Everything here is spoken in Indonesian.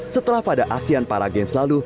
setelah pada asean paragames lalu